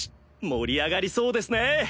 盛り上がりそうですね！